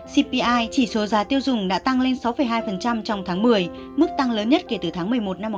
cpi chỉ số giá tiêu dùng đã tăng lên sáu hai trong tháng một mươi mức tăng lớn nhất kể từ tháng một mươi một năm một nghìn chín trăm tám